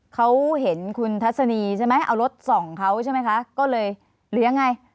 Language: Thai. เขาเห็นคุณทัศนีใช่ไหมเอารถส่องเขาใช่ไหมคะก็เลยหรือยังไง